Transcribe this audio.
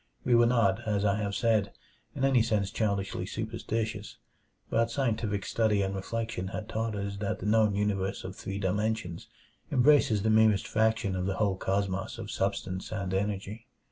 We were not, as I have said, in any sense childishly superstitious, but scientific study and reflection had taught us that the known universe of three dimensions embraces the merest fraction of the whole cosmos of substance and energy.